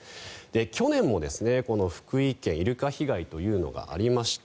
去年も福井県イルカ被害というのがありました。